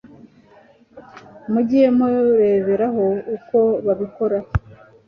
mujye mureberaho uko babikora